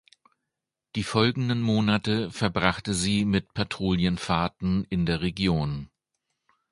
Die folgenden Monate verbrachte sie mit Patrouillenfahrten in der Region.